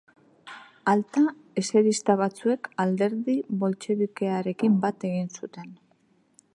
Alta, eserista batzuek Alderdi Boltxebikearekin bat egin zuten.